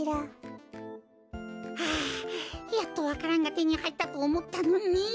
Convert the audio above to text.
はあやっとわか蘭がてにはいったとおもったのに。